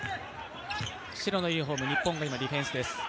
白のユニフォーム、日本が今ディフェンスです。